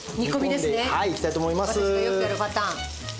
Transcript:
私がよくやるパターン。